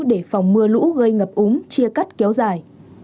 để phòng mưa lũ gây ngập úng chia cắt kéo dài